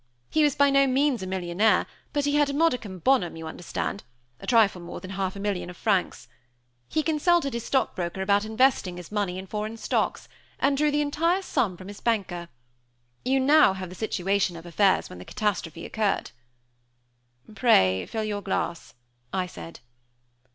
He was by no means a millionaire, but he had a modicum bonum, you understand a trifle more than half a million of francs. He consulted his stockbroker about investing this money in foreign stocks, and drew the entire sum from his banker. You now have the situation of affairs when the catastrophe occurred." "Pray fill your glass," I said.